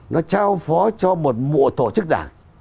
nó trao phó cho một mộ tổ chức đảng